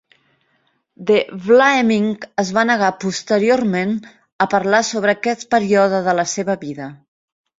De Vlaeminck es va negar posteriorment a parlar sobre aquest període de la seva vida.